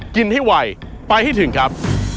กินให้ไวไปให้ถึงครับ